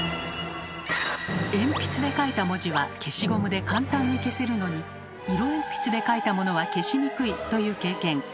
鉛筆で書いた文字は消しゴムで簡単に消せるのに色鉛筆で描いたものは消しにくいという経験